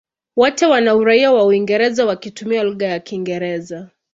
Wote wana uraia wa Uingereza wakitumia lugha ya Kiingereza.